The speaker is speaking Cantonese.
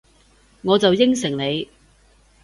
我就應承你